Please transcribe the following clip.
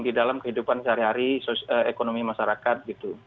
di dalam kehidupan sehari hari ekonomi masyarakat gitu